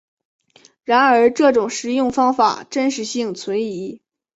然而这种食用方法真实性存疑。